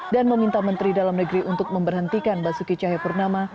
dan meminta menteri dalam negeri untuk memberhentikan basuki cahayapurnama